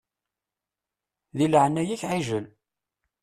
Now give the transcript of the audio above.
Di leɛnaya-k ɛijel!